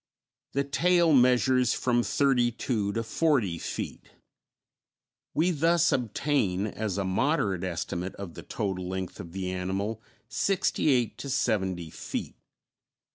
The tail measures from thirty two to forty feet. We thus obtain, as a moderate estimate of the total length of the animal, sixty eight to seventy feet.